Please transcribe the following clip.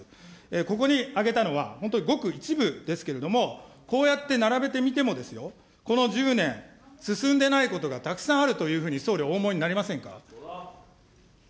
ここに挙げたのは、本当ごく一部ですけれども、こうやって並べてみてもですよ、この１０年、進んでないことがたくさんあるというふうに、総理、お思いになりませんか。